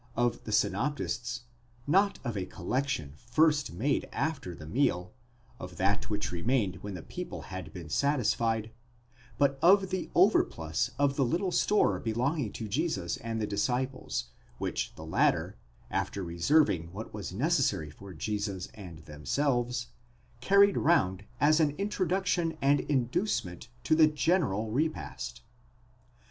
of the synoptists, not of a collection first made after the meal, of that which remained when the people had been satisfied, but of the overplus of the little store belonging to Jesus and the disciples, which the latter, after reserving what was necessary for Jesus and themselves, carried round as an introduction and inducement to the general repast.